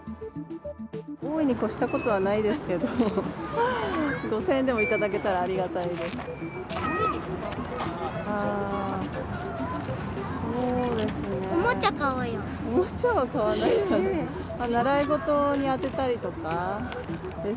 大いにこしたことはないですけと５０００円でもいただけたらありがたいです。